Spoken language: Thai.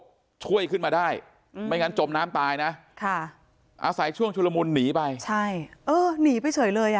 กระจกช่วยขึ้นมาได้ไม่งั้นจบน้ำตายนะอาศัยช่วงชุระมุลหนีไป